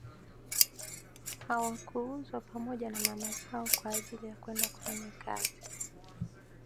Hawakuuzwa pamoja na mama zao kwa ajili ya kwenda kufanya kazi